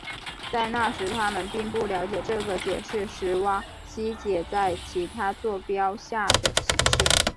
在那时他们并不了解这个解是史瓦西解在其他座标下的形式。